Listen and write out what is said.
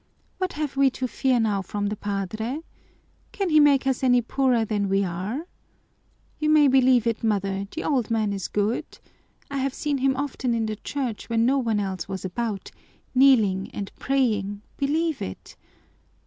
What have we to fear now from the padre? Can he make us any poorer than we are? You may believe it, mother, the old man is good. I've seen him often in the church when no one else was about, kneeling and praying, believe it.